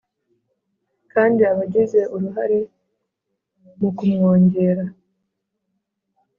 kandi abagize uruhare mu kumwongera